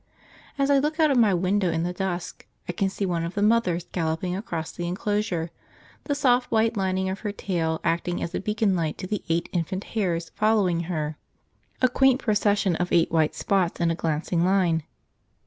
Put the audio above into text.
As I look out of my window in the dusk I can see one of the mothers galloping across the enclosure, the soft white lining of her tail acting as a beacon light to the eight infant hares following her, a quaint procession of eight white spots in it glancing line.